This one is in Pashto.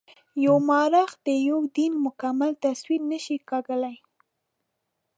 یو مورخ د یوه دین مکمل تصویر نه شي کاږلای.